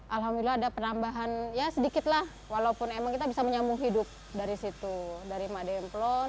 alhamdulillah ada penambahan ya sedikit lah walaupun emang kita bisa menyambung hidup dari situ dari made emplon